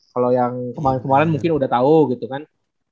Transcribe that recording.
kalau yang kemarin kemarin mungkin udah tau gitu kan